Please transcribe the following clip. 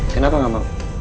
kenapa enggak mau